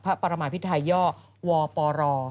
พระประมาภิไทยย่อวปร